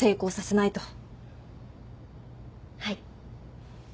はい。